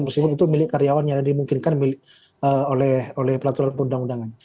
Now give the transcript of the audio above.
pensiun itu milik karyawan yang dimungkinkan oleh pelaturan undang undangan